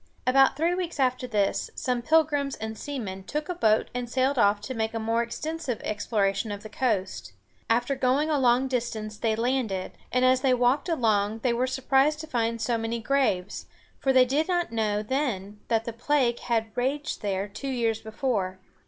About three weeks after this, some Pilgrims and seamen took a boat and sailed off to make a more extensive exploration of the coast. After going a long distance they landed, and as they walked along they were surprised to find so many graves, for they did not know then that the plague had raged there two years before.